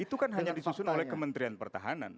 itu kan hanya disusun oleh kementerian pertahanan